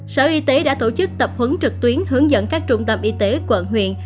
sở y tế đã tổ chức tập huấn trực tuyến hướng dẫn các trung tâm y tế quận huyện